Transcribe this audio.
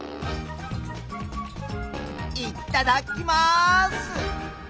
いっただっきます！